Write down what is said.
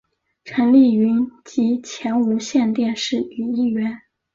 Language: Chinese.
陈丽云及前无线电视女艺员。